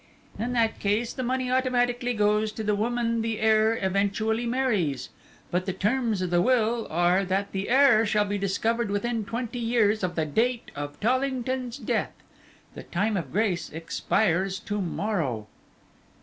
"In that case the money automatically goes to the woman the heir eventually marries. But the terms of the will are that the heir shall be discovered within twenty years of the date of Tollington's death. The time of grace expires to morrow."